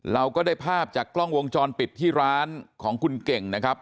เราก็ได้ภาพจากกล้องวงจรปิดที่ร้านของคุณเก่งนะครับ